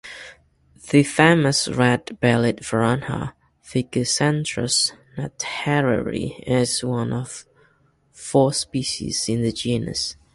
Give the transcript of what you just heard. The famous red-bellied piranha, "Pygocentrus nattereri", is one of four species in the genus.